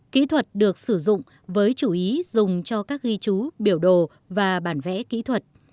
kỹ thuật được sử dụng với chủ ý dùng cho các ghi chú biểu đồ và bản vẽ kỹ thuật